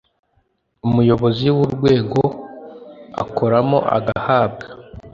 umuyobozi w Urwego akoramo agahabwa